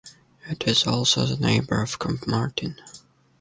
It is also the neighbour of Combe Martin.